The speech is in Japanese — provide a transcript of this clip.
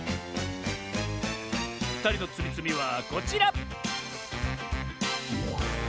ふたりのつみつみはこちら！